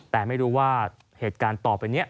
แต่ไม่รู้ว่าเหตุการณ์ต่อไปนี้